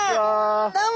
どうも！